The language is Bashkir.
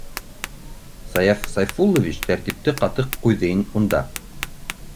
Саяф Сайфуллович тәртипте ҡаты ҡуйҙы унда!